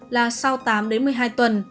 là sau tám đến một mươi hai tuần